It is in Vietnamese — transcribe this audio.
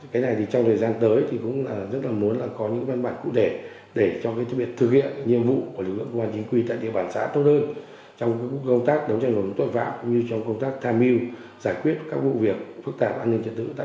cái này thì trong thời gian tới thì cũng rất là muốn là có những văn bản cụ thể để cho cái thiết bị